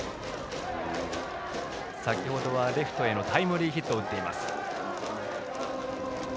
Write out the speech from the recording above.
先程はレフトへのタイムリーヒットを打っています。